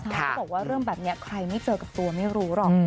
เขาบอกว่าเรื่องแบบนี้ใครไม่เจอกับตัวไม่รู้หรอก